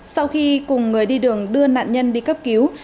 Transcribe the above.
sau khi cùng người đi đường đưa nạn nhân đi cấp cứu